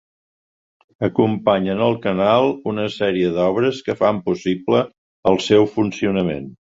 Acompanyen el canal una sèrie d'obres que fan possible el seu funcionament.